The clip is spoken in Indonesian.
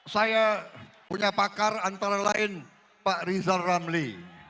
saya punya pakar antara lain pak rizal ramli